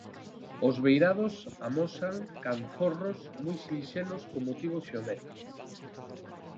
Os beirados amosan canzorros moi sinxelos con motivos xeométricos.